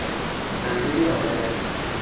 بندهی عادت